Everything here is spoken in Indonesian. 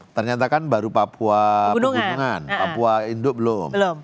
ternyata kan baru papua pegunungan papua induk belum